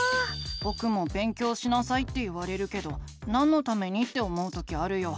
ぼくも「勉強しなさい」って言われるけどなんのためにって思う時あるよ。